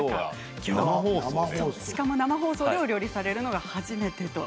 しかも生放送でお料理されるのは初めてと。